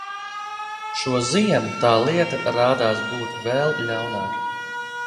Šo ziemu tā lieta rādās būt vēl ļaunāka.